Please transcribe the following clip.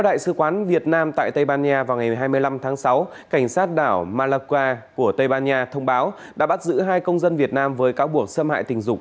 tây ban nha thông báo đã bắt giữ hai công dân việt nam với cáo buộc xâm hại tình dục